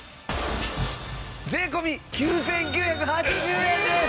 税込９９８０円です！